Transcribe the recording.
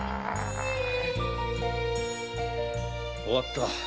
終わった。